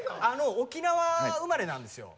沖縄生まれなんですよ。